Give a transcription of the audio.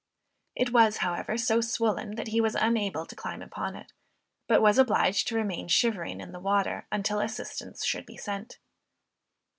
It was, however, so swollen, that he was unable to climb upon it, but was obliged to remain shivering in the water until assistance should be sent.